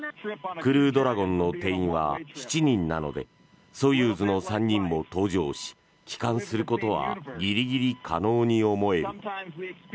クルードラゴンの定員は７人なのでソユーズの３人も搭乗し帰還することはギリギリ可能に思える。